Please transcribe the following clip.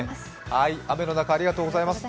雨の中、ありがとうございます。